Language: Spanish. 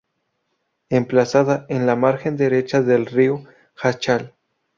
Emplazada en la margen derecha del río Jáchal.